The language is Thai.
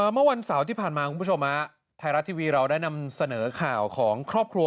เมื่อวันเสาร์ที่ผ่านมาคุณผู้ชมไทยรัฐทีวีเราได้นำเสนอข่าวของครอบครัว